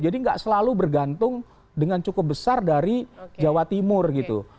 jadi nggak selalu bergantung dengan cukup besar dari jawa timur gitu